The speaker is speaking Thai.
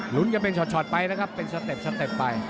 หลุ้นกันเป็นชอดไปนะครับเป็นสเต็ปไป